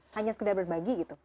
hanya sekedar berbagi gitu